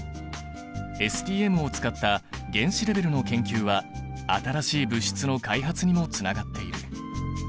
ＳＴＭを使った原子レベルの研究は新しい物質の開発にもつながっている。